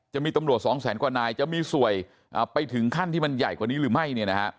จะมีตำรวจสองแสนกว่านายจะมีสวยไปถึงขั้นที่มันใหญ่กว่านี้หรือไม่เนี่ยนะฮะ